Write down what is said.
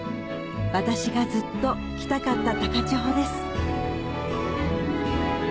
私がずっと来たかった高千穂です